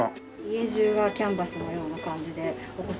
家中がキャンバスのような感じでお子様にも。